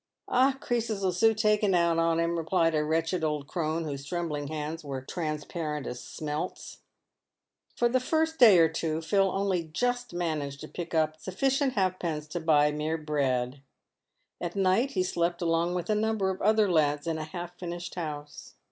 " Ah ! creases 'ill soon take it out on him," replied a wretched old crone, whose trembling hands were as transparent as smelts. PAVED WITH GOLD. 79 For the first day or two Phil only just managed to pick up sufficient halfpence to buy mere bread. At night he slept along with a number of other lads in a half finished house.